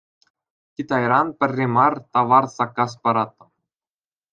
Китайран пӗрре мар тавар саккас параттӑм.